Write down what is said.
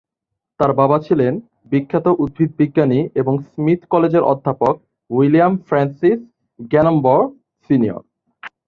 তার বাবা ছিলেন বিখ্যাত উদ্ভিদ বিজ্ঞানী এবং স্মিথ কলেজের অধ্যাপক উইলিয়াম ফ্রান্সিস গ্যানম্বর সিনিয়র।